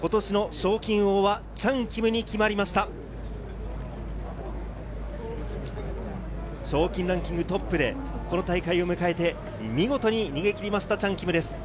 賞金ランキングトップで、この大会を迎えて、見事に逃げ切りました、チャン・キムです。